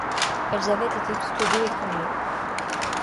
Elles avaient été toutes les deux étranglées.